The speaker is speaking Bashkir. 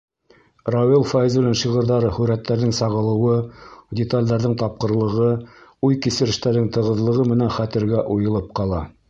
Рауил Фәйзуллин шиғырҙары һүрәттәрҙең сағылыуы, деталдәрҙең тапҡырлығы, уй-кисерештәрҙең тығыҙлығы менән хәтергә уйылып ҡала.